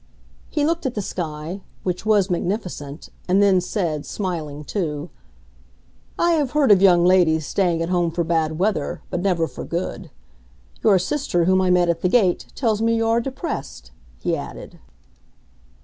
He looked at the sky, which was magnificent, and then said, smiling too, "I have heard of young ladies staying at home for bad weather, but never for good. Your sister, whom I met at the gate, tells me you are depressed," he added.